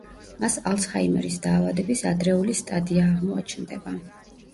მას ალცჰაიმერის დაავადების ადრეული სტადია აღმოაჩნდება.